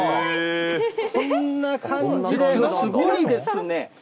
こんな感じで、すごいですね。